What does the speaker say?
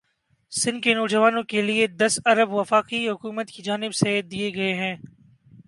سندھ کے نواجوانوں کے لئے دس ارب وفاقی حکومت کی جانب سے دئے گئے ہیں